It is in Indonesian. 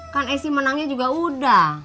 kan isi menangnya juga udah